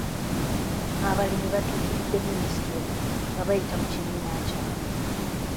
Abalimi batuukiridde minisitule nga bayita mu kibiina kyabwe.